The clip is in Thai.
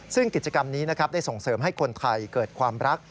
ซึ่งกิจกรรมนี้นะครับได้ส่งเสริมให้คนไทยเกิดความรัก